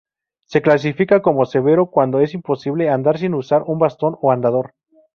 Se clasifica como severo cuando es imposible andar sin usar un bastón o andador.